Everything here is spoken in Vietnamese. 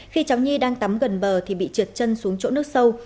khi cháu nhi đang tắm gần bờ thì bị trượt chân xuống chỗ nước sâu